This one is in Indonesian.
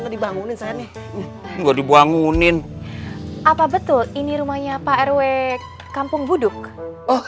dibangunin dibangunin apa betul ini rumahnya pak rw kampung buduk oh